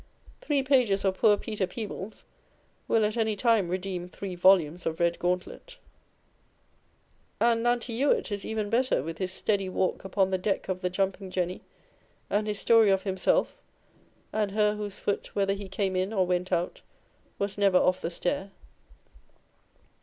Three pages of poor Peter Peebles will at any time redeem three volumes of Bed Gauntlet. And Nanty Ewart is even better with his steady walk upon the deck of the Jumping Jenny and his story of himself, " and her whose foot (whether he came in or went out) was never off the stair."